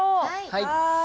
はい。